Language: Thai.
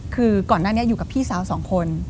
คือก่อนหน้านี้อยู่กับพี่สาวสองคน